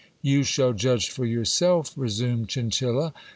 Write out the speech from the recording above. You shall judge for yourself, resumed Chinchilla.